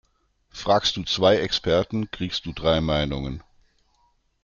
Fragst du zwei Experten, kriegst du drei Meinungen.